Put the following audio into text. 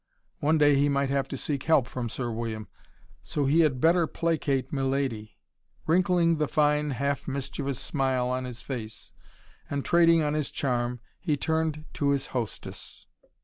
One day he might have to seek help from Sir William. So he had better placate milady. Wrinkling the fine, half mischievous smile on his face, and trading on his charm, he turned to his hostess.